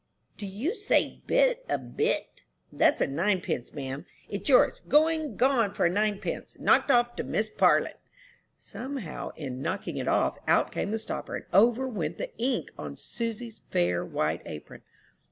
"'Do you say you bid a bit? That's a ninepence, ma'am. It's yours; going, gone for a ninepence. Knocked off to Miss Parlin.'" Somehow, in "knocking it off," out came the stopper, and over went the ink on Susy's fair white apron.